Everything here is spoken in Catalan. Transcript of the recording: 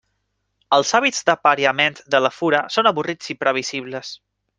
Els hàbits d'apariament de la fura són avorrits i previsibles.